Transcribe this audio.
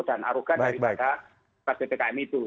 dan arugan dari pas ppkm itu